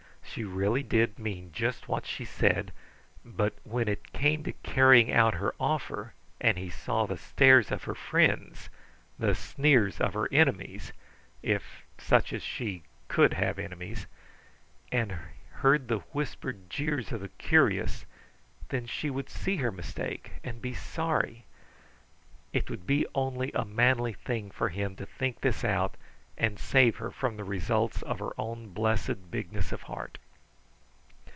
She really did mean just what she said, but when it came to carrying out her offer and he saw the stares of her friends, the sneers of her enemies if such as she could have enemies and heard the whispered jeers of the curious, then she would see her mistake and be sorry. It would be only a manly thing for him to think this out, and save her from the results of her own blessed bigness of heart.